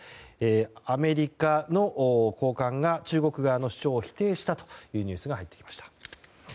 アメリカの高官が中国側の主張を否定したというニュースが入ってきました。